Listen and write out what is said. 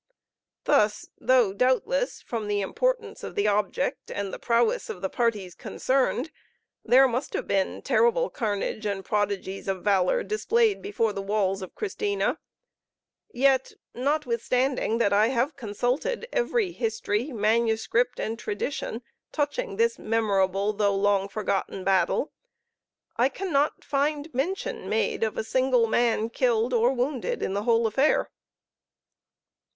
Thus, though doubtless, from the importance of the object, and the prowess of the parties concerned, there must have been terrible carnage and prodigies of valor displayed before the walls of Christina, yet, not withstanding that I have consulted every history, manuscript, and tradition, touching this memorable though long forgotten battle, I cannot find mention made of a single man killed or wounded in the whole affair.